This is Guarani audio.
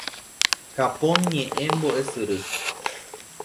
Japón ñe'ẽ mbo'esyry